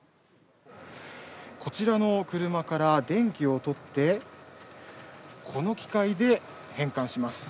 こちらの車から電気を取って、この機械で変換します。